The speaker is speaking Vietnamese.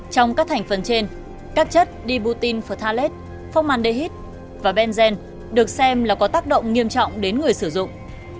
trong các thành phần trên các chất dibutene phthalate formandehyde và benzene được xem là có tác động nghiêm trọng đến người sử dụng